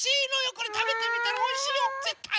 これたべてみたらおいしいよぜったい。